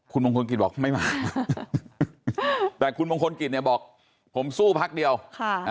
คุณมงคลกิจบอกไม่มาแต่คุณมงคลกิจเนี่ยบอกผมสู้พักเดียวค่ะ